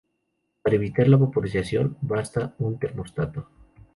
Para evitar la vaporización basta un termostato.